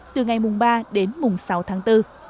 từ ngày mùng ba đến mùng sáu tháng bốn